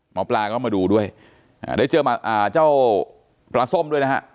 หมอปลาก็มาดูด้วยได้เจอเจ้าปลาส้มด้วยนะฮะ